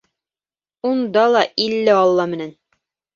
Унда ла илле алла менән.